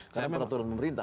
karena peraturan pemerintah